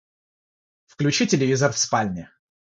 Включи телевизор в спальне.